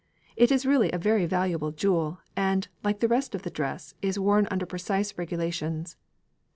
It is really a very valuable jewel, and, like the rest of the dress, is worn under precise regulations.